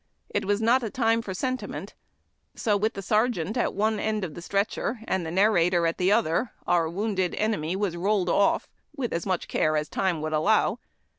It was not a time for sentiment ; so, with the sergeant at one end of the stretcher and the narrator at the other, our wounded enemy was rolled off, with as much care as time would allow.